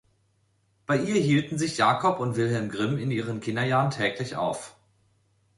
Bei ihr hielten sich Jacob und Wilhelm Grimm in ihren Kinderjahren täglich auf.